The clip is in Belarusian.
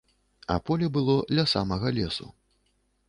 А поле было ля самага лесу.